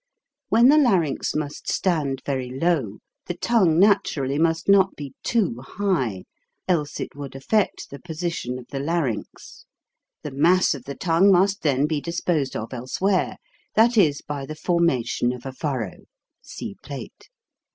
When the larynx must stand very low, the tongue naturally must not be too high, else it would affect the position of the larynx. The mass of the tongue must then be disposed of elsewhere ; that is, by the forma tion of a furrow (see plate).